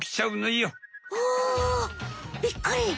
おびっくり！